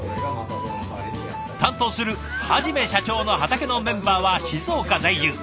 担当する「はじめしゃちょーの畑」のメンバーは静岡在住。